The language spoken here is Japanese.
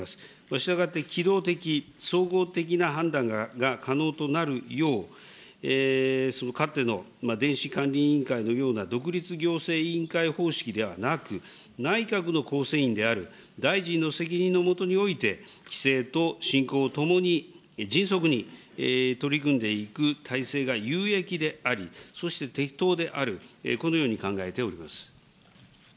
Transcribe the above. したがって機動的、総合的な判断が可能となるよう、かつての電子監理委員会のような独立行政委員会方式ではなく、内閣の構成員である大臣の責任の下において、規制としんこうをともに迅速に取り組んでいく体制が有益であり、そして適当である、このように考えております。